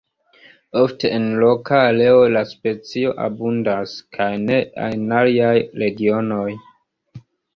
Ofte en loka areo la specio abundas, kaj ne en aliaj regionoj.